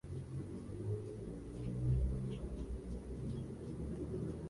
Comienza en el dorso del pie y termina drenando en la vena femoral.